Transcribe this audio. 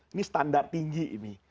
ini standar tinggi ini